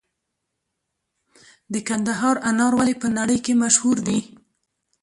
د کندهار انار ولې په نړۍ کې مشهور دي؟